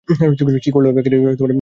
কি বললো ও?